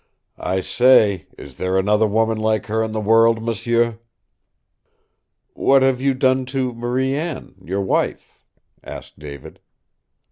"I say, is there another woman like her in the world, m'sieu?" "What have you done to Marie Anne your wife?" asked David.